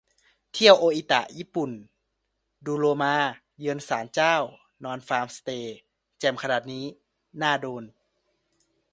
เที่ยวโออิตะ ญี่ปุ่น ดูโลมา เยือนศาลเจ้า นอนฟาร์มสเตย์ แจ่มขนาดนี้มันน่าโดน